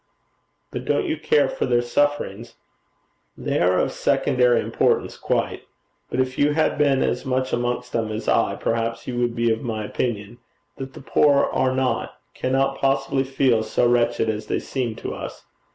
'But don't you care for their sufferings?' 'They are of secondary importance quite. But if you had been as much amongst them as I, perhaps you would be of my opinion, that the poor are not, cannot possibly feel so wretched as they seem to us.